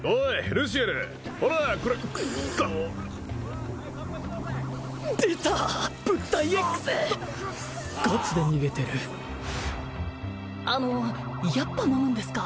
ルシエルほらこれくっさ出た物体Ｘガチで逃げてるあのやっぱ飲むんですか？